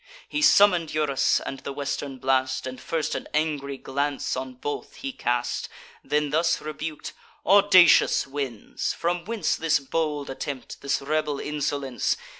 He summon'd Eurus and the western blast, And first an angry glance on both he cast; Then thus rebuk'd: "Audacious winds! from whence This bold attempt, this rebel insolence?